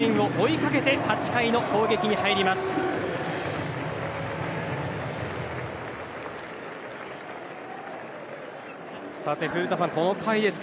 ５点を追いかけて８回の攻撃に入ります。